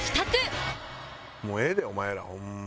もうええでお前らホンマ。